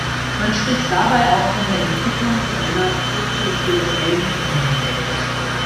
Man spricht dabei auch von der Entwicklung zu einer soziokulturellen Persönlichkeit.